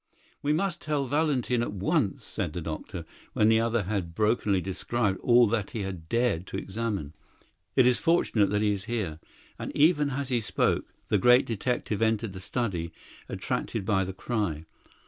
"We must tell Valentin at once," said the doctor, when the other had brokenly described all that he had dared to examine. "It is fortunate that he is here;" and even as he spoke the great detective entered the study, attracted by the cry.